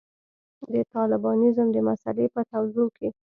د طالبانیزم د مسألې په توضیح کې.